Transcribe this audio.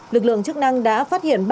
lực lượng chức năng đã phát hiện